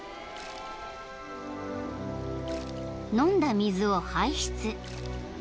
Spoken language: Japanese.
［飲んだ水を排出］